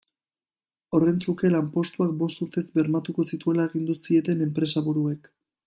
Horren truke, lanpostuak bost urtez bermatuko zituela agindu zieten enpresaburuek.